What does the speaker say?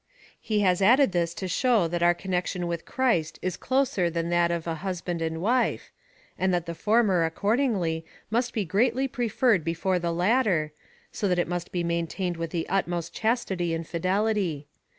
He has added this to show that our connection with Christ is closer than that of a husband and wife, and that the former, accordingly, must be greatly preferred before the latter, so that it must be maintained with the utmost chastity and fidelity.